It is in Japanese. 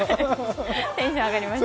テンション上がりました。